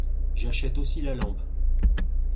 J'achète aussi la lampe.